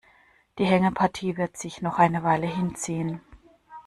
Die Hängepartie wird sich noch eine Weile hinziehen.